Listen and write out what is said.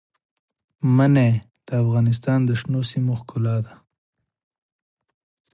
منی د افغانستان د شنو سیمو ښکلا ده.